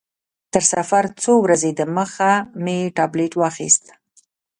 تر سفر څو ورځې دمخه مې ټابلیټ واخیست.